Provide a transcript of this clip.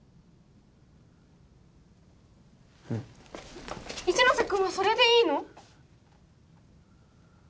うん一ノ瀬君はそれでいいの？